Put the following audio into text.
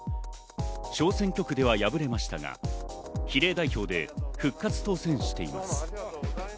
小選挙区では敗れましたが比例代表で復活当選しています。